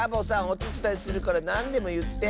おてつだいするからなんでもいって。